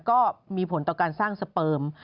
ก็มีผลต่อการสร้างสเปิม